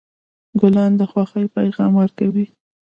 ګلان د خوښۍ پیغام ورکوي.